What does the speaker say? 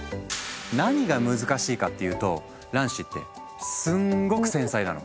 何が難しいかっていうと卵子ってすんごく繊細なの。